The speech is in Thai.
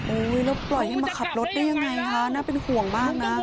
แล้วปล่อยให้มาขับรถได้ยังไงคะน่าเป็นห่วงมากนะ